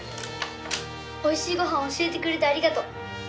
おいしいごはん教えてくれてありがとう！